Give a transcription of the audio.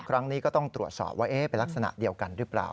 ครั้งนี้ก็ต้องตรวจสอบว่าเป็นลักษณะเดียวกันหรือเปล่า